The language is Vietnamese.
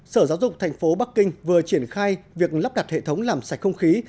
sở giáo dục thành phố bắc kinh vừa triển khai việc lắp đặt hệ thống làm sạch không khí